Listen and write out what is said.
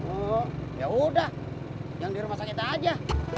oh yaudah yang di rumah sakit aja